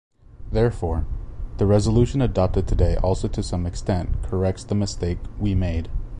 Therefore, the resolution adopted today also to some extent corrects the mistake we made.